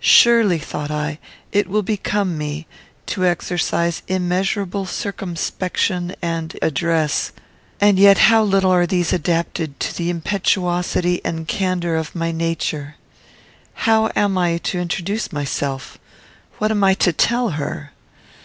"Surely," thought I, "it will become me to exercise immeasurable circumspection and address; and yet how little are these adapted to the impetuosity and candour of my nature! "How am I to introduce myself? What am I to tell her?